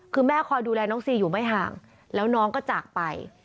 คือแม่คอยดูแลน้องซีอยู่ไม่ห่างแล้วน้องก็จากไป